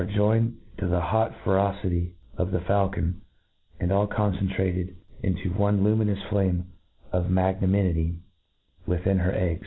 joined to the" hot fe XQcity of the faulcon, and all concentrated into one luminous Jflame of magnanimity within her iCgg.